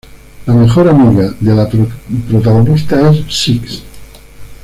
La mejor amiga de la protagonista es "Six".